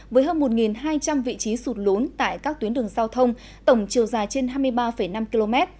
với hơn một hai trăm linh vị trí sụt lún tại các tuyến đường giao thông tổng chiều dài trên hai mươi ba năm km